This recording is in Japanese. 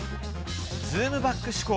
ズームバック思考